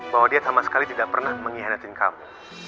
bahwa dia sama sekali tidak pernah mengkhianatin kamu